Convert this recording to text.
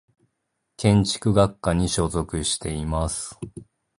建築学科に所属しています。